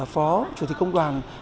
phó chủ tịch công đoàn